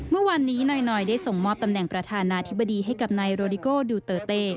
เมื่อวานนี้หน่อยได้ส่งมอบตำแหน่งประธานาธิบดีให้กับนายโรดิโก้ดูเตอร์เต้